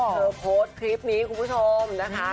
โพสต์คลิปนี้คุณผู้ชมนะคะ